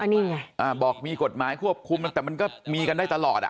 นี่ไงบอกมีกฎหมายควบคุมแต่มันก็มีกันได้ตลอดอ่ะ